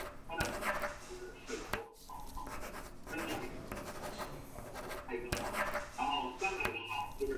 这一决定立即引来外界回响。